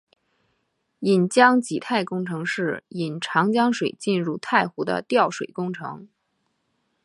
引江济太工程是引长江水进入太湖的调水工程。